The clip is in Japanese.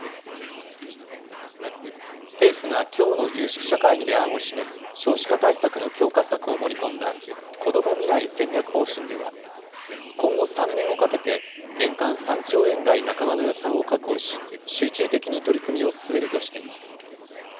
政府がきょうの有識者会議で案を示す少子化対策の強化策を盛り込んだ、こども未来戦略方針では、今後３年をかけて年間３兆円台半ばの予算を確保し、集中的に取り組みを進めるとしています。